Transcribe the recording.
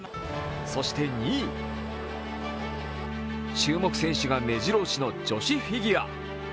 そして２位、注目選手がめじろ押しの女子フィギュア。